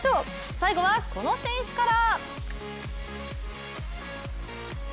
最後はこの選手から！